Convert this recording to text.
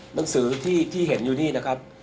หนังสือที่เห็นอยู่นี่นะครับ